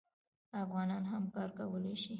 افغانان هم کار کولی شي.